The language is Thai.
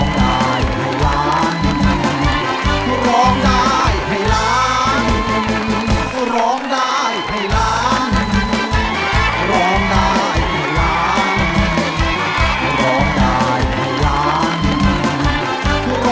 แล้วก็สวัสดีครับ